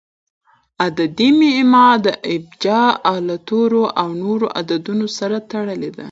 عددي معما د ابجد له تورو او نورو عددونو سره تړلي دي.